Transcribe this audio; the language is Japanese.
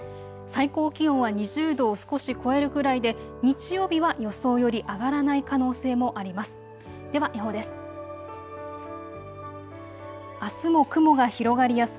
最高気温は２０度を少し超えるくらいで日曜日は予想より上がらない可能性もあります。